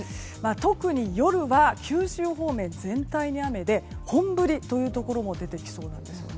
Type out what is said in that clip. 特に夜は九州方面全体に雨で本降りというところも出てきそうです。